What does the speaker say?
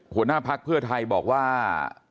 หัวหน้าพักเพื่อไทยบอกว่า